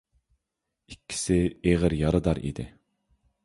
ئىككىسى ئېغىر يارىدار ئىدى.